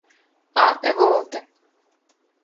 А, ево овде.